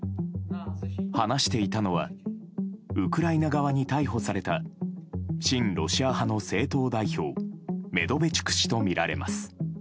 話していたのはウクライナ側に逮捕された親ロシア派の政党代表メドベチュク氏とみられます。